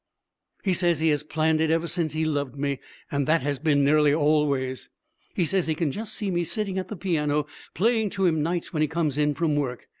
'He says he has planned it ever since he loved me, and that has been nearly always. He says he can just see me sitting at the piano playing to him nights when he comes in from work.